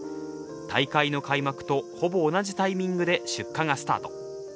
大会の開幕と、ほぼ同じタイミングで出荷がスタート。